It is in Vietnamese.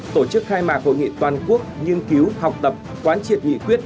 tổ chức khai mạc hội nghị toàn quốc nghiên cứu học tập quán triệt nghị quyết